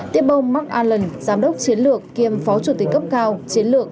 tiếp ông mark ilen giám đốc chiến lược kiêm phó chủ tịch cấp cao chiến lược